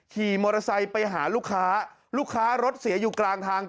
ขี่มอเตอร์ไซค์ไปหาลูกค้าลูกค้ารถเสียอยู่กลางทาง